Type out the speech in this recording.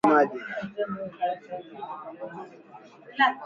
Hali ya unyevu na majimaji